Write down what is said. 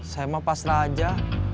saya mah pasrah aja